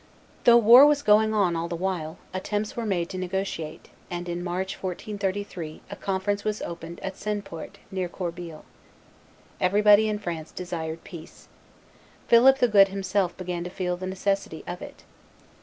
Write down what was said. Though war was going on all the while, attempts were made to negotiate; and in March, 1433, a conference was opened at Seineport, near Corbeil. Everybody in France desired peace. Philip the Good himself began to feel the necessity of it.